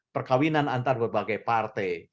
perkawinan antara berbagai partai